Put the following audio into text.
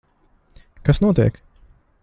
Kas notiek?